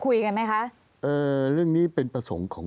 ลุงเอี่ยมอยากให้อธิบดีช่วยอะไรไหม